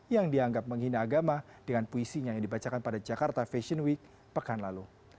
yang dianggap menghina agama dengan puisinya yang dibacakan pada jakarta fashion week pekan lalu